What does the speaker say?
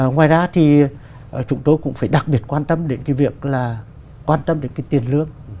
ngoài ra thì chúng tôi cũng phải đặc biệt quan tâm đến cái việc là quan tâm đến cái tiền lương